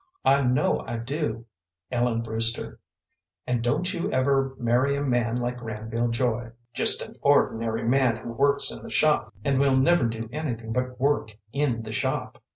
I know I do, Ellen Brewster. And don't you ever marry a man like Granville Joy, just an ordinary man who works in the shop, and will never do anything but work in the shop.